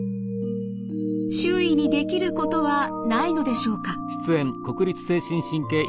周囲にできることはないのでしょうか。